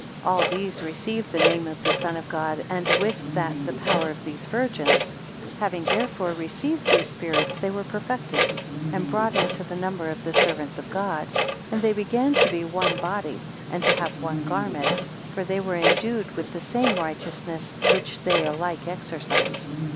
All these received the name of the Son of God, and with that the power of these virgins. 129 Having therefore received these spirits, they were perfected, and brought into the number of the servants of God; and they began to be one body, and to have one garment, for they were endued with the same righteousness, which they alike exercised.